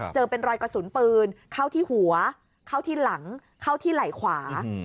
เจอเป็นรอยกระสุนปืนเข้าที่หัวเข้าที่หลังเข้าที่ไหล่ขวา